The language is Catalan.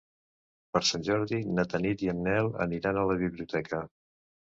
Per Sant Jordi na Tanit i en Nel aniran a la biblioteca.